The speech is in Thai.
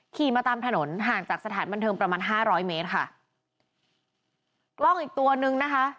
ขี่มาตามถนนห่างจากสถานบันเทิงประมาณห้าร้อยเมตรค่ะกล้องอีกตัวนึงนะคะ